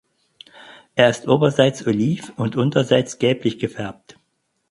Er ist oberseits oliv und unterseits gelblich gefärbt.